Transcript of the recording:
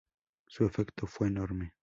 Su efecto fue enorme.